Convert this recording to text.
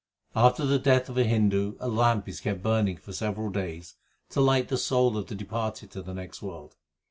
After the death of a Hindu a lamp is kept burning for several days to light the soul of the departed to the next world.